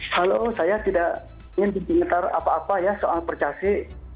halo saya tidak ingin diminta apa apa ya soal percasi